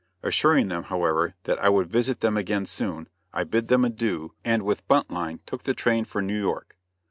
Assuring them, however, that I would visit them again soon, I bade them adieu, and with Buntline took the train for New York.